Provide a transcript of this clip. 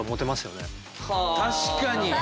確かに！